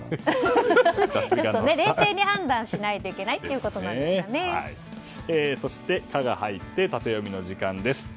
冷静に判断しないとそして「カ」が入ってタテヨミの時間です。